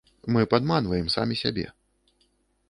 Мы падманваем самі сябе.